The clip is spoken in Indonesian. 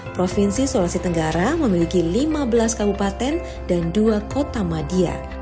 provinsi sulawesi tenggara memiliki lima belas kabupaten dan dua kota madia